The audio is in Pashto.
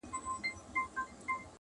تار کي د هنر پېلي سپیني ملغلري دي.